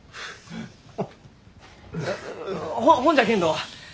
ほほんじゃけんど！